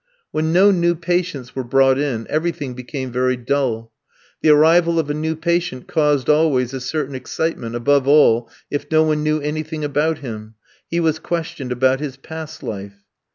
When no new patients were brought in, everything became very dull. The arrival of a new patient caused always a certain excitement, above all, if no one knew anything about him; he was questioned about his past life.